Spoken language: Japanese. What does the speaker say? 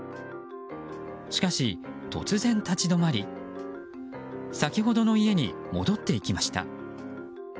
しかし、突然立ち止まり先ほどの家に戻っていきました。